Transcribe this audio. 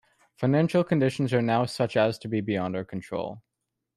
Financial conditions are now such as to be beyond our control.